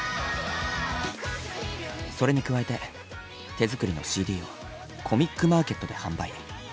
それに加えて手作りのＣＤをコミックマーケットで販売。